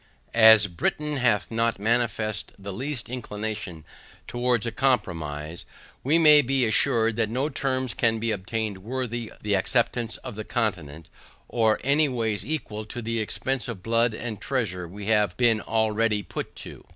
As Britain hath not manifested the least inclination towards a compromise, we may be assured that no terms can be obtained worthy the acceptance of the continent, or any ways equal to the expense of blood and treasure we have been already put to.